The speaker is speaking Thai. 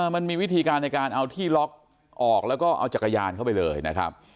มันมีวิธีการในการเอาที่ล็อกออกแล้วก็เอาจักรยานเข้าไปเลยนะครับ